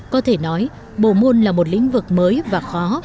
có thể nói bộ môn là một lĩnh vực mới và khó